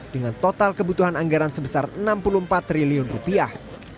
dengan total kebutuhan anggaran sebesar enam puluh empat triliun rupiah